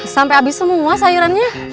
sampai habis semua sayurannya